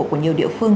của nhiều địa phương